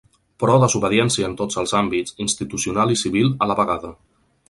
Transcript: Però desobediència en tots els àmbits, institucional i civil a la vegada.